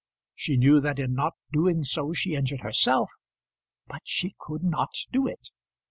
She knew that in not doing so she injured herself; but she could not do it.